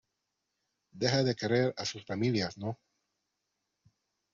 deja de querer a sus familias, ¿ no?